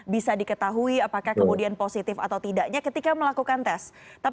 bisa diketahui apakah kemudian positif atau tidaknya ketika melakukan tes